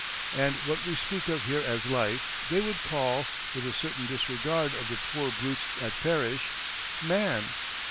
And what we speak of here as Life, they would call, with a certain disregard of the poor brutes that perish, Man.